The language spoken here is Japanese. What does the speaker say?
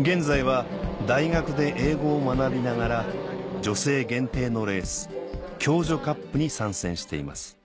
現在は大学で英語を学びながら女性限定のレースＫＹＯＪＯＣＵＰに参戦しています